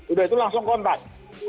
udah itu langsung kontak